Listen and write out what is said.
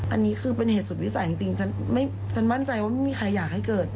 อันนี้คือเป็นเหตุสุดวิสัยจริงฉันมั่นใจว่าไม่มีใครอยากให้เกิด